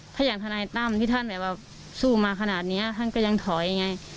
ถ้าอย่างทนายตั้มที่ท่านแบบสู้มาขนาดนี้ท่านก็ยังถอยไง